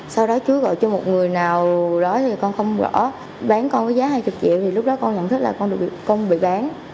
sau đó chúa gọi cho một người nào đó thì con không rõ bán con với giá hai mươi triệu thì lúc đó con nhận thức là con được công bị bán